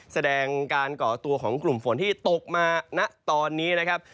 แสดงการก่อตัวของกลุ่มฝนที่ตกมาณตอนนี้นะครับ